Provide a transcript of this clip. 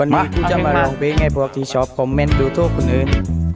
วันนี้ก็จะมาลงไปไงพวกที่ชอบคอมเมนต์ดูทั่วคนอื่น